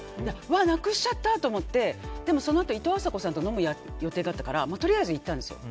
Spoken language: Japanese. なくしちゃったと思ってそのあと、いとうあさこさんと飲む予定だったからとりあえず、行ったんですよ。